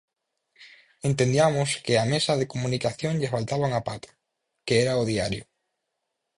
Entendiamos que á mesa da comunicación lle faltaba unha pata, que era o diario.